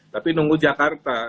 tapi nunggu jakarta